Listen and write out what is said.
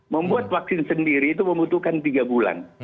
membuat vaksin sendiri itu membutuhkan tiga bulan